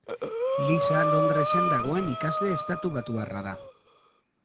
Lisa Londresen dagoen ikasle estatubatuarra da.